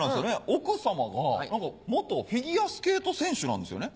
奥様が元フィギュアスケート選手なんですよね？